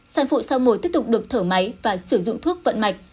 sản phụ sau mồi tiếp tục được thở máy và sử dụng thuốc vận mạch